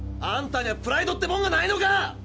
あんたにゃプライドってもんがないのか！